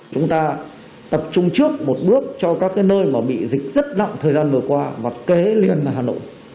chúng ta tập trung trước một bước cho các cái nơi mà bị dịch rất nặng thời gian vừa qua và kế liên là hà nội